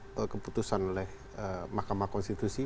ketika diambil keputusan oleh mahkamah konstitusi